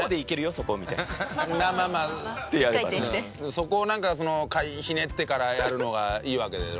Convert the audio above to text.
そこをなんかひねってからやるのがいいわけだろ？